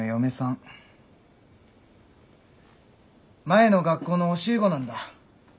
前の学校の教え子なんだ。